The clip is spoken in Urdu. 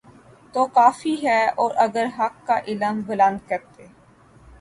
تو کوفی ہیں اور اگر حق کا علم بلند کرتے